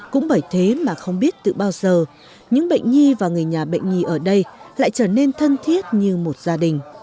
cũng bởi thế mà không biết từ bao giờ những bệnh nhi và người nhà bệnh nhi ở đây lại trở nên thân thiết như một gia đình